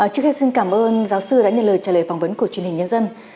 trước hết xin cảm ơn giáo sư đã nhận lời trả lời phỏng vấn của truyền hình nhân dân